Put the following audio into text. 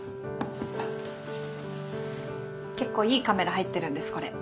結構いいカメラ入ってるんですこれ。